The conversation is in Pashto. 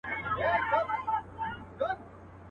خدایه ملیار مي له ګلونو سره لوبي کوي.